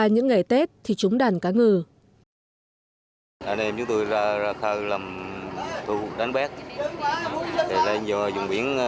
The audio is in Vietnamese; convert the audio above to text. những ngày tết thì chúng đàn cá ngừ